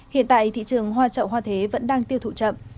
hiện tại thị trường hoa trậu hoa thế vẫn đang tiêu thụ chậm